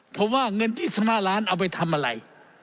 เพราะว่าเงิน๒๕ล้านเอาไปทำอะไร